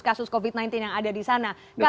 kasus covid sembilan belas yang ada di sana